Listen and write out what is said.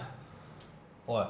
おい。